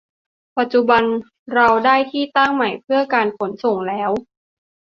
ปัจจุบันเราได้ที่ตั้งใหม่เพื่อการขนส่งแล้ว